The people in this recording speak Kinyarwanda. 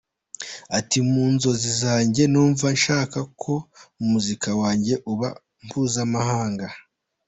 Ati “Mu nzozi zanjye numva nshaka ko umuziki wanjye uba mpuzamahanga.